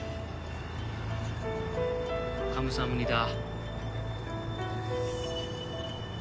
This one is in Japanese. カムサハムニダ。